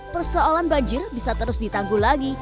persoalan banjir bisa terus ditangguh lagi